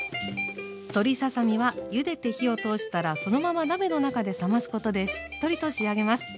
鶏ささ身はゆでて火を通したらそのまま鍋の中で冷ますことでしっとりと仕上げます。